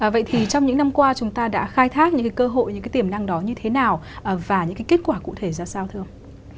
vậy thì trong những năm qua chúng ta đã khai thác những cái cơ hội những cái tiềm năng đó như thế nào và những cái kết quả cụ thể ra sao thưa ông